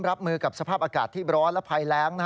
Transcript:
รับมือกับสภาพอากาศที่ร้อนและภัยแรง